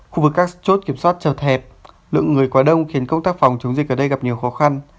khu vực các chốt kiểm soát chờ hẹp lượng người quá đông khiến công tác phòng chống dịch ở đây gặp nhiều khó khăn